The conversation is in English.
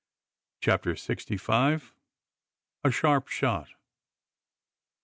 CHAPTER SIXTY FIVE. A SHARP SHOT.